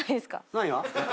何が？